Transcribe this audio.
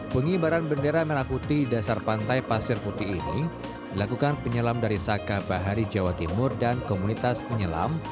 pengibaran bendera merah putih di dasar pantai pasir putih ini dilakukan penyelam dari saka bahari jawa timur dan komunitas penyelam